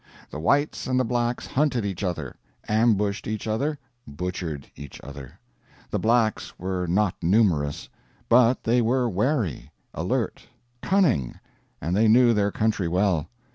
The Whites and the Blacks hunted each other, ambushed each other, butchered each other. The Blacks were not numerous. But they were wary, alert, cunning, and they knew their country well.